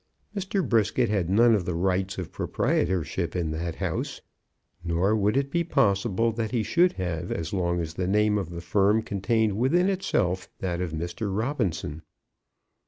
Mr. Brisket had none of the rights of proprietorship in that house, nor would it be possible that he should have as long as the name of the firm contained within itself that of Mr. Robinson.